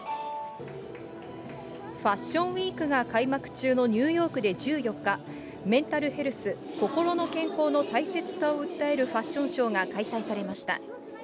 ファッションウィークが開幕中のニューヨークで１４日、メンタルヘルス・心の健康の大切さを訴えるファッションショーが開催されました。